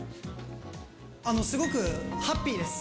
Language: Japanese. すごくハッピーです。